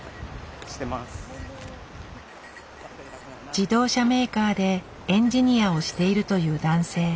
自動車メーカーでエンジニアをしているという男性。